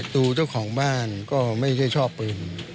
ตัวเจ้าของบ้านก็ไม่ใช่ชอบปืน